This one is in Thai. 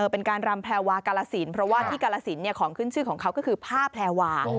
เป็นการรำแพรวากาลสินเพราะว่าที่กาลสินของขึ้นชื่อของเขาก็คือผ้าแพรวา